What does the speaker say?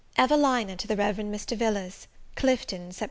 EVELINA TO THE REV. MR. VILLARS. Clifton, Sept.